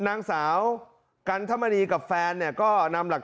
โทรศัพท์โทรศัพท์โทรศัพท์โทรศัพท์